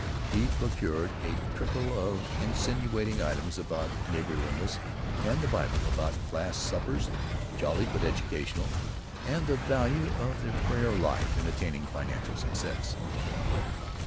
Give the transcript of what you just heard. He procured a trickle of insinuating items about neighborliness and the Bible, about class suppers, jolly but educational, and the value of the Prayer life in attaining financial success.